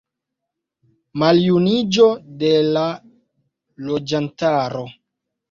Maljuniĝo de la loĝantaro.